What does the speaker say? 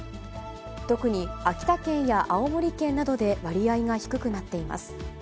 特に秋田県や青森県などで割合が低くなっています。